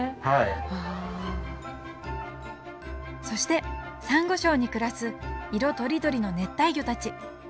そしてサンゴ礁に暮らす色とりどりの熱帯魚たち。